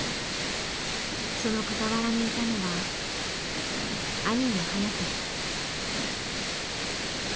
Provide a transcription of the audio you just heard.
その傍らにいたのは兄の颯人。